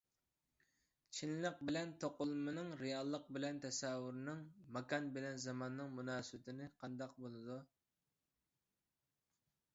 چىنلىق بىلەن توقۇلمىنىڭ، رېئاللىق بىلەن تەسەۋۋۇرنىڭ، ماكان بىلەن زاماننىڭ مۇناسىۋىتىنى قانداق بولىدۇ؟